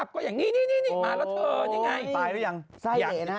ก็อย่างงี้นี่นี่นี่มาแล้วเถิดยังไงตายแล้วยังใส่เหร่นะ